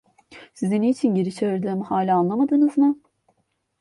Sizi niçin geri çağırdığımı hâlâ anlamadınız mı?